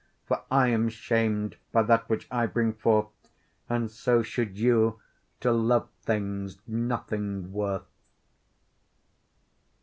For I am shamed by that which I bring forth, And so should you, to love things nothing worth.